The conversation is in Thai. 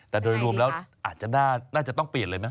แต่โดยรวมแล้วอาจจะน่าจะต้องเปลี่ยนเลยไหม